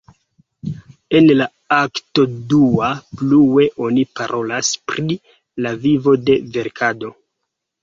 En la akto dua, plue oni parolas pri la vivo de verkado.